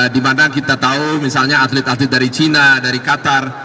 dimana kita tahu misalnya atlet atlet dari cina dari qatar